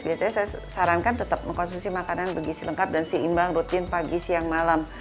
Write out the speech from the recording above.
biasanya saya sarankan tetap mengkonsumsi makanan bergisi lengkap dan seimbang rutin pagi siang malam